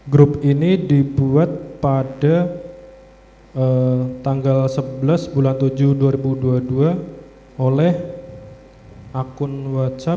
grup ini dibuat pada tanggal sebelas bulan tujuh dua ribu dua puluh dua oleh akun whatsapp